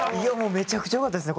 めちゃくちゃ良かったですね。